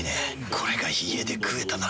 これが家で食えたなら。